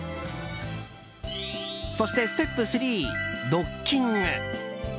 そしてステップ３、ドッキング。